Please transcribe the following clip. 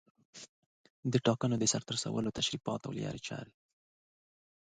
د ټاکنو د سرته رسولو تشریفات او لارې چارې